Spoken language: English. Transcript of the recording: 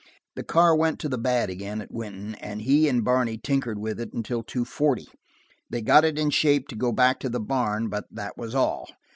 The car went to the bad again at Wynton, and he and Barney tinkered with it until two forty. They got it in shape to go back to the barn, but that was all.